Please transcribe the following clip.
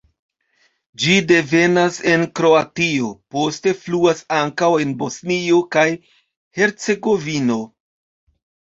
Ĝi devenas en Kroatio, poste fluas ankaŭ en Bosnio kaj Hercegovino.